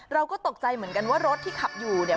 เราก็ตกใจเหมือนกันว่ารถที่ขับอยู่เนี่ย